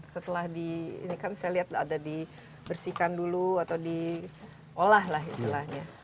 setelah di ini kan saya lihat ada dibersihkan dulu atau diolah lah istilahnya